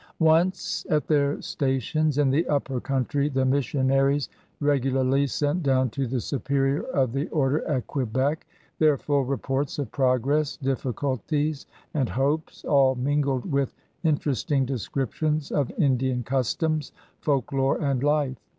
Once at their stations in the upper coimtry, the missionaries regularly sent down to the Superior of the Order at Quebec their full reports of progress, difficulties, and hopes, all mingled with interesting descriptions of Indian customs, folk lore, and life.